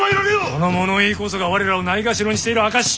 この物言いこそが我らをないがしろにしている証し！